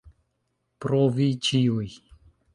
Pro vi ĉiuj.